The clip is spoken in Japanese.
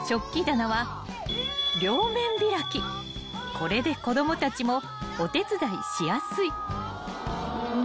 ［これで子供たちもお手伝いしやすい］